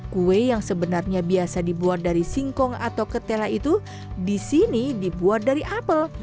kue yang sebenarnya biasa dibuat dari singkong atau ketela itu di sini dibuat dari apel